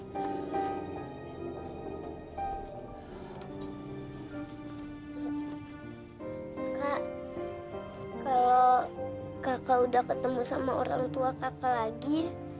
kak kalau kakak udah ketemu sama orang tua kakak lagi